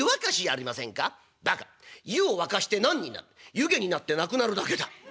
湯気になってなくなるだけだ。